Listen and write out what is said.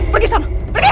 pergi sana pergi